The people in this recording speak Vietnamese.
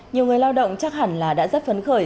nhiều người lao động chắc hẳn là đã rất phấn khởi